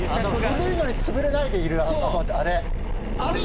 古いのにつぶれないでいるあれ。